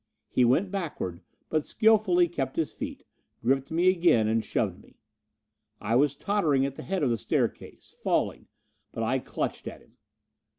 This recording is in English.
He went backward, but skilfully kept his feet, gripped me again and shoved me. I was tottering at the head of the staircase falling. But I clutched at him.